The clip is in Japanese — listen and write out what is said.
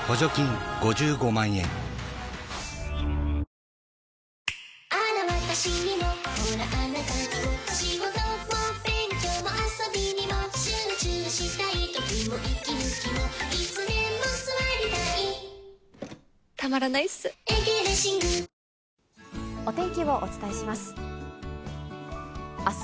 続くお天気をお伝えします。